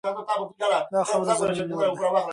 دا خاوره زموږ مور ده.